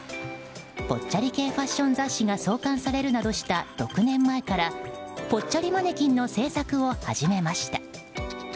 ぽっちゃり系ファッション雑誌が創刊されるなどした６年前からぽっちゃりマネキンの製作を始めました。